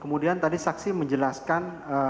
kemudian tadi saksi menjelaskan